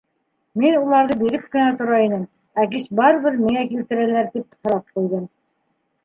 Мин уларҙы биреп кенә тора инем, ә кис барыбер миңә килтерәләр. — тип һорап ҡуйҙым.